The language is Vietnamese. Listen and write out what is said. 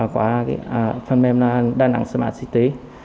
quả phần mềm là đà nẵng smart city